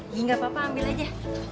ini gak apa apa ambil aja